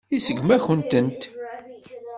Iseggem-akent-tent.